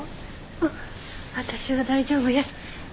あっ私は大丈夫や。